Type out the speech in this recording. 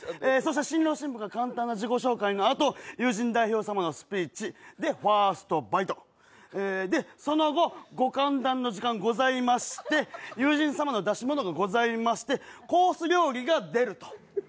新郎新婦が簡単な自己紹介のあと友人様のスピーチ、で、ファーストバイト、で、その後、ご歓談の時間、ございまして友人様の出し物がございまして、コース料理が出ると。